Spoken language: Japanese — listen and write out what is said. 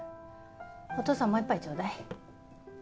お父さんもう一杯ちょうだい。